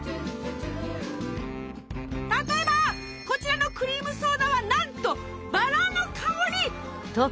例えばこちらのクリームソーダはなんとバラの香り！